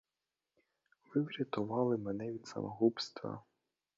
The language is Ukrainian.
Ви врятували мене від самогубства.